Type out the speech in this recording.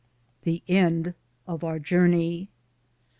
THE END 0& OUR JOURNEY.